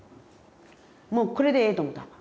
もうこれでええと思うた。